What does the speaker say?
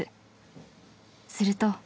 ［すると］